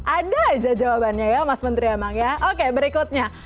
ada aja jawabannya ya mas menteri emang ya oke berikutnya